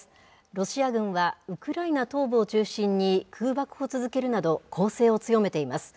ロシア軍は、ウクライナ東部を中心に空爆を続けるなど、攻勢を強めています。